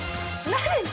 何？